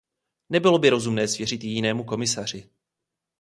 Nebylo by rozumné svěřit ji jinému komisaři.